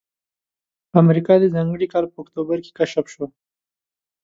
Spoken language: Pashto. امریکا د ځانګړي کال په اکتوبر کې کشف شوه.